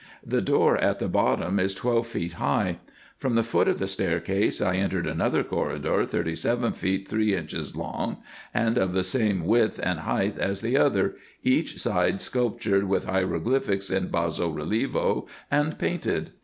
The door at the bottom is twelve feet high. From the foot of the staircase I entered another corridor, thirty seven feet three inches long, and of the same width and height as the other, each side sculptured with hieroglyphics in basso relievo, and painted.